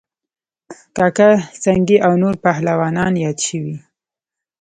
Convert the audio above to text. کاکه سنگی او نور پهلوانان یاد شوي